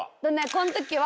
この時は。